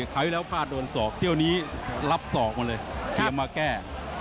ครั้งที่แล้วพลาดโดนศอกเที่ยวนี้รับศอกมาเลยเตรียมมาแก้